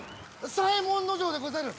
左衛門尉でござる！